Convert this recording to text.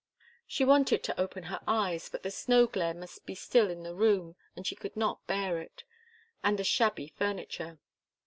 She wanted to open her eyes, but the snow glare must be still in the room, and she could not bear it and the shabby furniture.